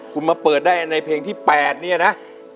คุณมาเปิดได้ในเพลงที่๘เนี่ยนะ